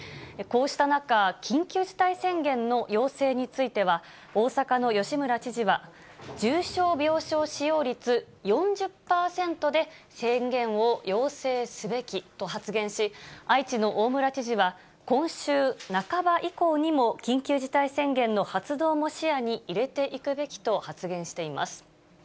こうした中、緊急事態宣言の要請については、大阪の吉村知事は、重症病床使用率４０％で宣言を要請すべきと発言し、愛知の大村知事は今週半ば以降にも、緊急事態宣言の発動も視野に入れていくべきと発言しています。